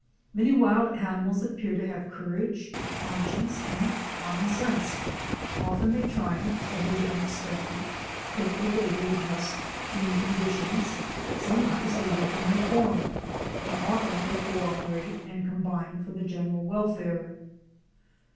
Many wild animals appear to have courage, con science, and common sense. Often they triumph over the unexpected, quickly they readjust to new conditions, sometimes they welcome reform, and often they cooperate and combine for the general welfare.